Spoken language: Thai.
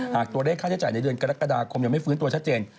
หากตัวเลขค่าใช้จ่ายในเดือนกรกฎาคมยังไม่ฟื้นตัวชัดเจน